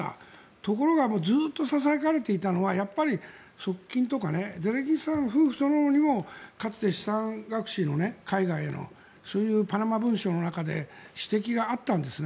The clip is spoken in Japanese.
ところがずっとささやかれていたのはやっぱり側近とかゼレンスキーさん夫婦そのものにもかつて資産隠しの海外のそういう、パナマ文書の中で指摘があったんですね。